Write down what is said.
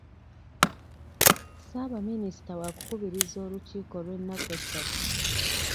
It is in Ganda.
Ssabaminisita wakukubiriza olukiiko lw'ennaku essatu.